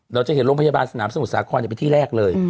เราจะเห็นโรงพยาบาลสนามสมุทรสาครเป็นที่แรกเลย